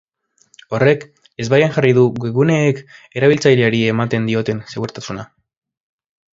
Horrek ezbaian jarri du webguneek erabiltzaileari ematen dioten segurtasuna.